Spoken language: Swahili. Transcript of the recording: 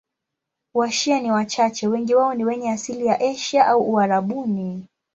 Washia ni wachache, wengi wao ni wenye asili ya Asia au Uarabuni.